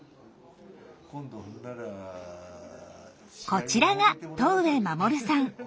こちらが戸上守さん。